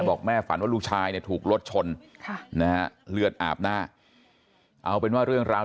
บอกแม่ฝันว่าลูกชายเนี่ยถูกรถชนเลือดอาบหน้าเอาเป็นว่าเรื่องราว